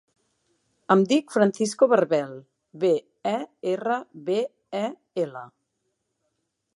Em dic Francisco Berbel: be, e, erra, be, e, ela.